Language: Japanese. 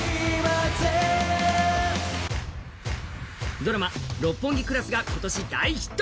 ドラマ「六本木クラス」が今年大ヒット。